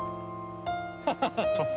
ハハハッ！